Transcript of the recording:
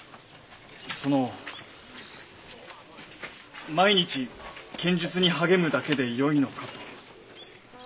その毎日剣術に励むだけでよいのかと。